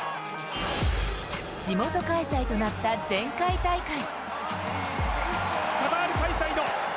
地元開催となった前回大会。